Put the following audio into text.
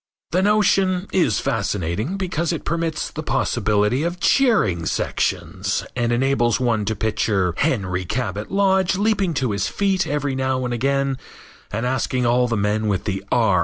The notion is fascinating because it permits the possibility of cheering sections and enables one to picture Henry Cabot Lodge leaping to his feet every now and again and asking all the men with the R.